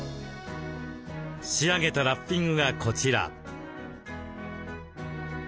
仕上げたラッピングがこちら。